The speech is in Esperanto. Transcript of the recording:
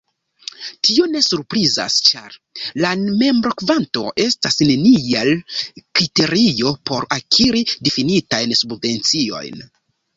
Tio ne surprizas ĉar la membrokvanto estas neniel kriterio por akiri difinitajn subvenciojn.